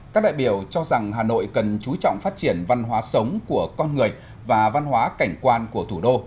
các đại biểu cho rằng hà nội cần chú trọng phát triển văn hóa sống của con người và văn hóa cảnh quan của thủ đô